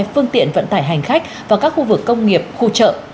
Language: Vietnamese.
phương tiện vận tải hành khách vào các khu vực công nghiệp khu chợ